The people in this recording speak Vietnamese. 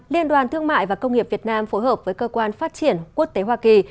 liên đoàn thương mại và công nghiệp việt nam phối hợp với cơ quan phát triển quốc tế hoa kỳ